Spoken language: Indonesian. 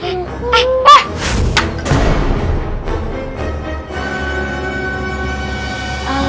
aduh gue takutin